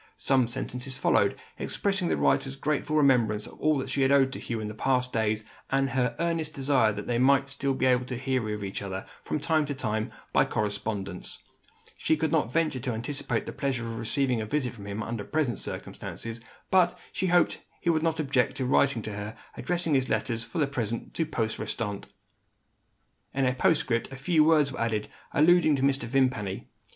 Some sentences followed, expressing the writer's grateful remembrance of all that she had owed to Hugh in past days, and her earnest desire that they might still hear of each other, from time to time, by correspondence. She could not venture to anticipate the pleasure of receiving a visit from him, under present circumstances. But, she hoped that he would not object to write to her, addressing his letters, for the present, to post restante. In a postscript a few words were added, alluding to Mr. Vimpany.